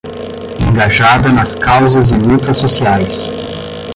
Engajada nas causas e lutas sociais